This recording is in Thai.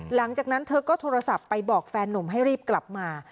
หลังจากนั้นเธอก็โทรศัพท์ไปบอกแฟนหนุ่มให้รีบกลับมา